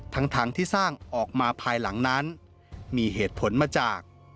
ทั้งที่สร้างออกมาภายหลังนั้นมีเหตุผลมาจาก